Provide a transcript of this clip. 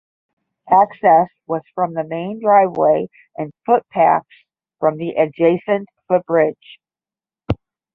Access was from the main driveway and footpaths from the adjacent footbridge.